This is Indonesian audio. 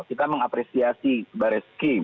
kita mengapresiasi baris skim